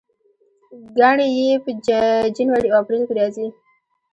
ګڼې یې په جنوري او اپریل کې راځي.